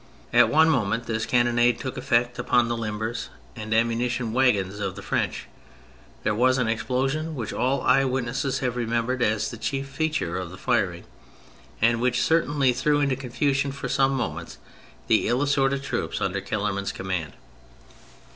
At one moment this cannonade took effect upon the limbers and ammunition wagons of the French; there was an explosion v/hich all eye witnesses have remembered as the chief feature of the firing, and which cer tainly threw into confusion for some moments the ill assorted troops under Kellermann's command.